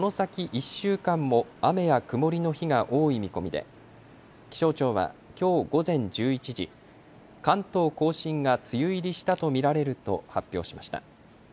１週間も雨や曇りの日が多い見込みで気象庁はきょう午前１１時、関東甲信が梅雨入りしたと見られると発表しました。